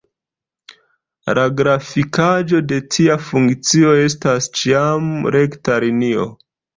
La grafikaĵo de tia funkcio estas ĉiam rekta linio.